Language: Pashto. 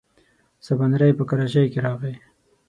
سباناری په کراچۍ کې راغی.